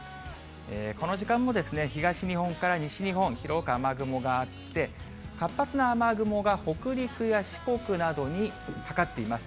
この時間も東日本から西日本、広く雨雲があって、活発な雨雲が北陸や四国などにかかっています。